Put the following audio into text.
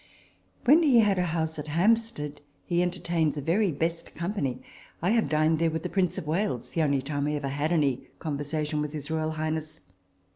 When he had a house at Hampstead, he enter tained the very best company. I have dined there with the Prince of Wales the only time I ever had any conversation with his royal highness.